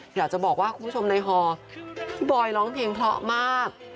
อยากจะบอกว่าคุณผู้ชมในฮอพี่บอยร้องเพลงเพราะมาก